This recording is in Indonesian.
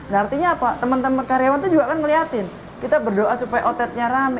nah artinya apa teman teman karyawan itu juga akan ngeliatin kita berdoa supaya outletnya rame